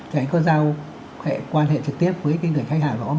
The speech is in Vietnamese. chẳng có giao quan hệ trực tiếp với người khách hàng